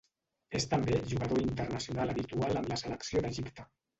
És també jugador internacional habitual amb la selecció d'Egipte.